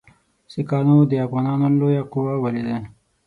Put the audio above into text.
سیکهانو د افغانانو لویه قوه ولیده.